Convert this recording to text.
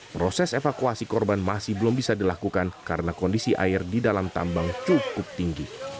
proses evakuasi korban masih belum bisa dilakukan karena kondisi air di dalam tambang cukup tinggi